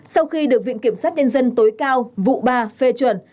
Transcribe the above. sau khi được viện kiểm sát nhân dân tối cao vụ ba phê chuẩn